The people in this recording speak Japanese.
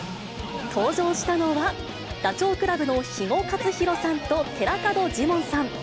登場したのは、ダチョウ倶楽部の肥後克広さんと寺門ジモンさん。